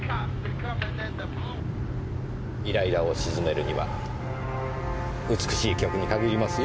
イライラを静めるには美しい曲に限りますよ。